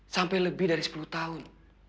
sampai lebih dari sepuluh tahun